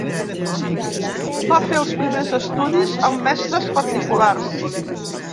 Va fer els primers estudis amb mestres particulars.